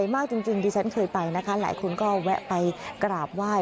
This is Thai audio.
มากจริงดิฉันเคยไปนะคะหลายคนก็แวะไปกราบไหว้